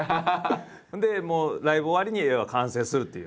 でもうライブ終わりに絵は完成するっていう。